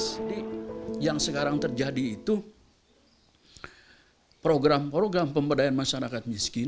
jadi yang sekarang terjadi itu program program pemberdayaan masyarakat miskin